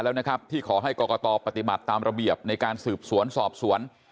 แล้วนะครับที่ขอให้กรกตปฏิบัติตามระเบียบในการสืบสวนสอบสวน